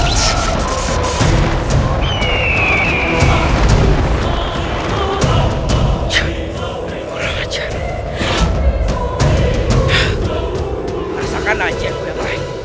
rasakanlah ajar berakhir